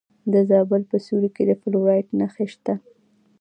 د زابل په سیوري کې د فلورایټ نښې شته.